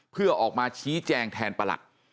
เพื่อออกมาชี้แจงแทนประหลัด